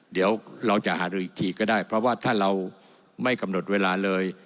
เดี๋ยวเราจะหารืออีกทีก็ได้เพราะว่าถ้าเราไม่กำหนดเวลาเลย